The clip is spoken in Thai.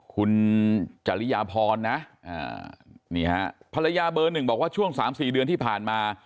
คุณจริยาพรนะนี่ฮะภรรยาเบอร์หนึ่งบอกว่าช่วง๓๔เดือนที่ผ่านมา